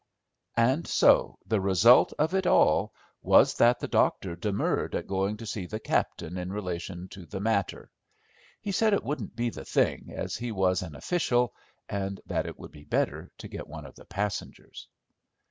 And so the result of it all was that the doctor demurred at going to see the captain in relation to the matter. He said it wouldn't be the thing, as he was an official, and that it would be better to get one of the passengers.